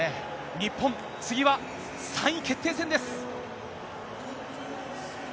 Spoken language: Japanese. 日本、次は３位決定戦です。